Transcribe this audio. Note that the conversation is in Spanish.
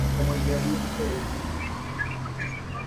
Sus acciones en la actualidad están listadas en la bolsa de Atenas.